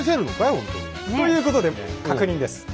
ほんとに。ということで確認です。